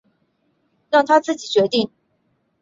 让他自己决定